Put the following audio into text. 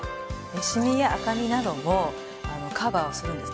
シミや赤みなどもカバーをするんですね。